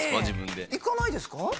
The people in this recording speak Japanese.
自分でいかないですか？